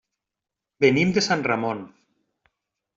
Venim de Sant Ramon.